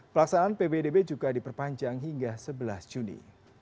pelaksanaan pbdb juga diperpanjang hingga sebelas juni